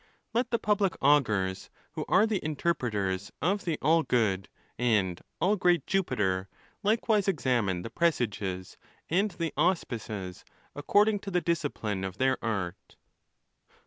Let the public Augurs, who are the ON THE LAWS. ; 437 anterpreters of the all good and all great Jupiter, likewise ex amine the presages and the auspices, according to the disci pline of their art.